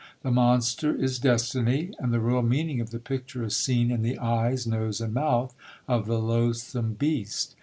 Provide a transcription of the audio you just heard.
The monster is Destiny; and the real meaning of the picture is seen in the eyes, nose, and mouth of the loathsome beast.